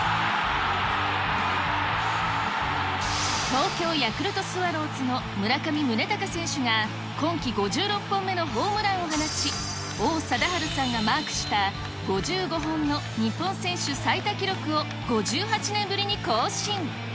東京ヤクルトスワローズの村上宗隆選手が、今季５６本目のホームランを放ち、王貞治さんがマークした、５５本の日本選手最多記録を５８年ぶりに更新。